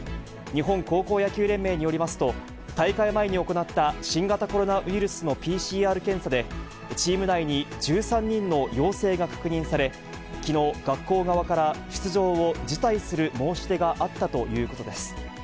日本高校野球連盟によりますと、大会前に行った新型コロナウイルスのＰＣＲ検査で、チーム内に１３人の陽性が確認され、きのう、学校側から出場を辞退する申し出があったということです。